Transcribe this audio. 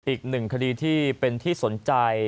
อีกหนึ่งคดีที่เป็นที่สนใจ